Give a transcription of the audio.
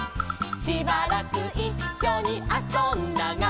「しばらくいっしょにあそんだが」